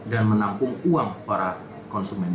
dan menampung uang para konsumen